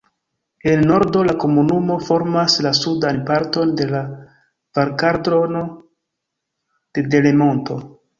En nordo la komunumo formas la sudan parton de la Valkaldrono de Delemonto.